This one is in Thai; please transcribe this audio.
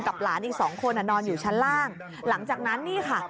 หลานอีกสองคนนอนอยู่ชั้นล่างหลังจากนั้นนี่ค่ะ